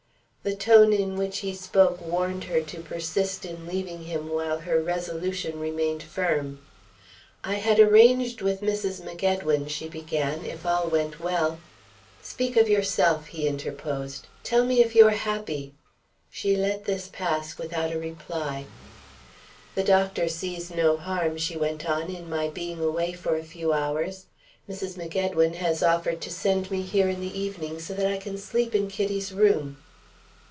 The tone in which he spoke warned her to persist in leaving him while her resolution remained firm. "I had arranged with Mrs. MacEdwin," she began, "if all went well " "Speak of yourself," he interposed. "Tell me if you are happy." She let this pass without a reply. "The doctor sees no harm," she went on, "in my being away for a few hours. Mrs. MacEdwin has offered to send me here in the evening, so that I can sleep in Kitty's room."